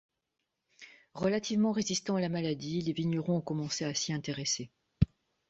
Relativement résistant à la maladie, les vignerons ont commencé à s'y intéresser.